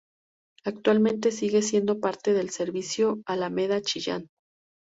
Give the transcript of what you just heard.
Actualmente sigue siendo parte del servicio ""Alameda-Chillan"".